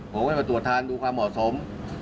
ผมก็จะมาตรวจทานดูความเหมาะสม